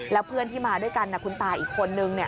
แล้วเพื่อนที่มาด้วยกันคุณตาอีกคนนึง